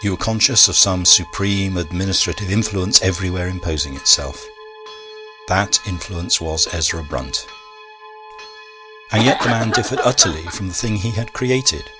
You were conscious of some supreme administrative influence everywhere imposing itself. That influence was Ezra Brunt. And yet the man differed utterly from the thing he had created.